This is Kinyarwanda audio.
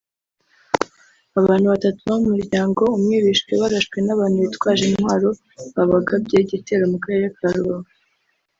Abantu batatu bo mu muryango umwe bishwe barashwe n’abantu bitwaje intwaro babagabyeho igitero mu karere ka Rubavu